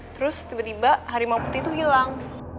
terus tiba tiba harimau putih itu hilang